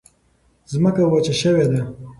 ځمکه وچه شوې ده.